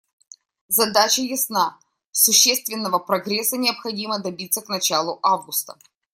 Задача ясна: существенного прогресса необходимо добиться к началу августа.